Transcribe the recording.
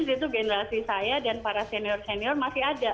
itu generasi saya dan para senior senior masih ada